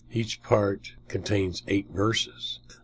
Each part contains eight verses.